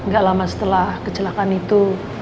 gak lama setelah kecelakaan itu